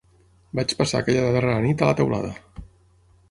Vaig passar aquella darrera nit a la teulada